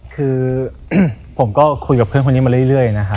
คือผมก็คุยกับเพื่อนคนนี้มาเรื่อยนะฮะ